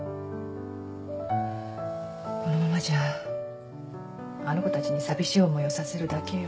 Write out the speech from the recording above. このままじゃあの子たちに寂しい思いをさせるだけよ。